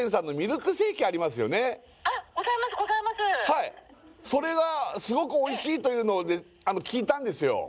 はいそれがすごくおいしいというのを聞いたんですよ